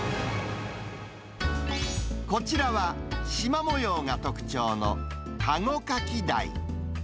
こちらは、しま模様が特徴のカゴカキダイ。